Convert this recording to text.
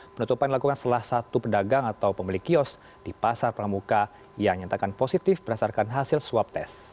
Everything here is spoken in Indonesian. penutupan dilakukan setelah satu pedagang atau pemilik kios di pasar pramuka yang nyatakan positif berdasarkan hasil swab tes